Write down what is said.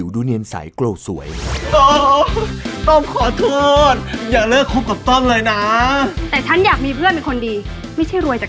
ไม่ใช่รวยจากการโกงคนอื่นแบบนี้